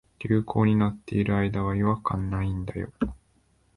流行に乗ってる間は違和感ないんだよ